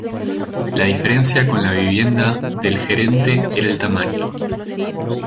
La diferencia con la vivienda del gerente era el tamaño.